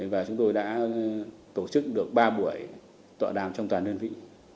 và chúng tôi đã tổ chức được ba buổi tọa đàm trong toàn đơn vị